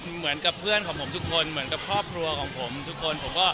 เหมือนกับเพื่อนของผมทุกคนเหมือนกับครอบครัวของผมทุกคน